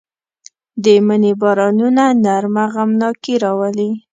د مني بارانونه نرمه غمناکي راولي